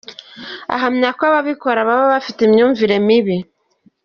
Ahamya ko ababikorwa baba bafite imyumvire mibi.